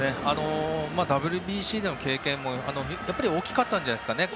ＷＢＣでの経験も大きかったんじゃないですかね。